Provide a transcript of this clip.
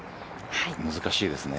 難しいですね。